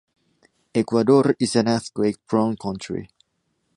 Ecuador is an earthquake prone country.